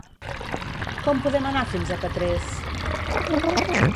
Com podem anar fins a Petrés?